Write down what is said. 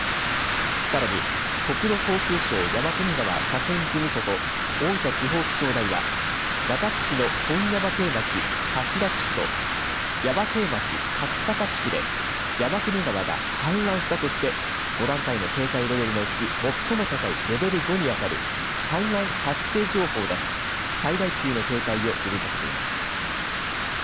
さらに国土交通省山国川河川事務所と大分地方気象台は中津市の本耶馬渓町多志田地区と耶馬渓町柿坂地区で山国川が氾濫したとして５段階の警戒レベルのうち最も高いレベル５にあたる氾濫発生情報を出し最大級の警戒を呼びかけています。